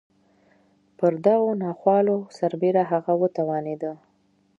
پر دغو ناخوالو سربېره هغه وتوانېده.